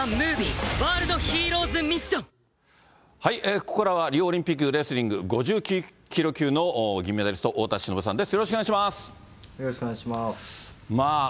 ここからは、リオオリンピックレスリング５９キロ級の銀メダリスト、太田忍さんです。